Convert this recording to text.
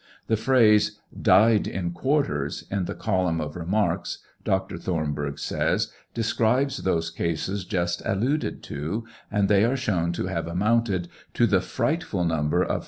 The phrase " died in quarters" in the column of remarks. Dr. Thornburgh says, describes those cases just alluded to, and they are shown to have amounted to the frightful number of 3,727.